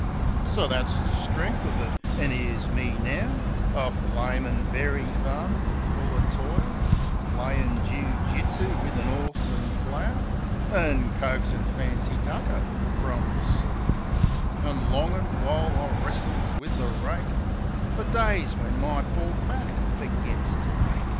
So that's the strength of it. An' 'ere's me now A flamin' berry farmer, full o' toil ; Playin' joo jitsoo wiv an 'orse an' plough. An' coaxin' fancy tucker f rum the soil ; An' longin', while I wrestles with the rake, Fer days when my poor back fergits to ache.